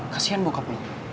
kasian bokap lu